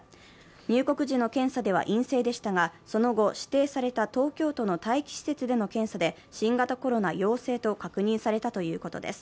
入国時の検査では陰性でしたが、その後、指定された東京都の待機施設での検査で新型コロナ陽性と確認されたということです。